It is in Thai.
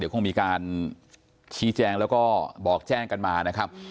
คงมีการชี้แจงแล้วก็บอกแจ้งกันมานะครับ